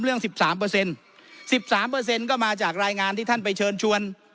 เรื่องสิบสามเปอร์เซ็นต์สิบสามเปอร์เซ็นต์ก็มาจากรายงานที่ท่านไปเชิญชวน